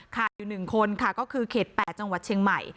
อยู่๑คนค่ะก็คือเขต๘จังหวัดเชียงใหม่